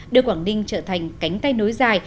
đưa quảng ninh trở thành cánh tay nối dài